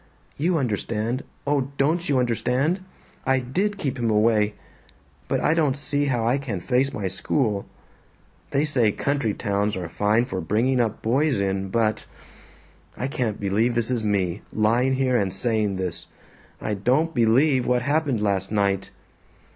You understand oh, DON'T you understand? I DID keep him away! But I don't see how I can face my school. They say country towns are fine for bringing up boys in, but I can't believe this is me, lying here and saying this. I don't BELIEVE what happened last night.